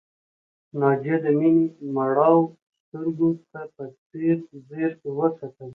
ناجیه د مينې مړاوو سترګو ته په ځير ځير وکتل